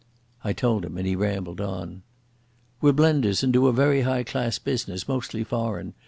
I told him and he rambled on. "We're blenders and do a very high class business, mostly foreign.